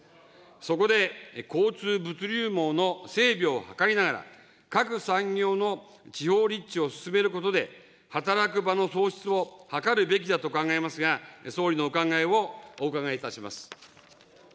そこで、交通・物流網の整備を図りながら、各産業の地方立地を進めることで、働く場の創出を図るべきだと考えますが、総理のお考えをお伺いいたします。